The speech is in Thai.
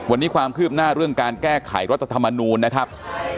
วันนี้ความคืบหน้าเรื่องการแก้ไขรัฐธรรมนูลนะครับ